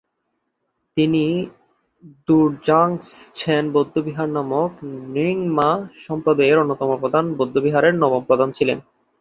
তিনি র্দ্জোগ্স-ছেন বৌদ্ধবিহার নামক র্ন্যিং-মা ধর্মসম্প্রদায়ের অন্যতম প্রধান বৌদ্ধবিহারের নবম প্রধান ছিলেন।